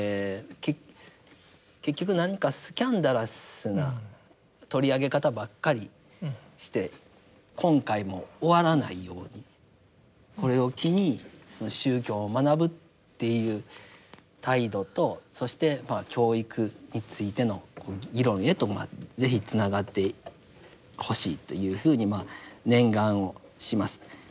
結局何かスキャンダラスな取り上げ方ばっかりして今回も終わらないようにこれを機に宗教を学ぶっていう態度とそして教育についての議論へと是非つながってほしいというふうにまあ念願をします。